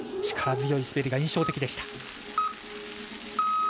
力強い滑りが印象的でした。